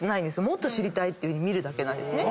もっと知りたいって見るだけなんですね。